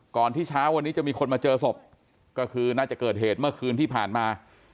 ที่เช้าวันนี้จะมีคนมาเจอศพก็คือน่าจะเกิดเหตุเมื่อคืนที่ผ่านมา